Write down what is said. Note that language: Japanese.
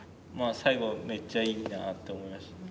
最後めっちゃいいなって思いました。